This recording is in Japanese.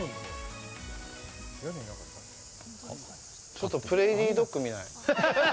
ちょっとプレーリードッグ見ない？